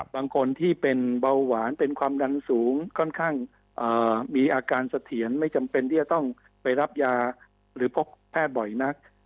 บางคนที่เป็นเบาหวานเป็นความดันสูงค่อนข้างมีอาการเสถียรไม่จำเป็นที่จะต้องไปรับยาหรือพบแพทย์บ่อยนัก